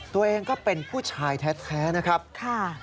ตัวเองก็เป็นผู้ชายแท้นะครับค่ะ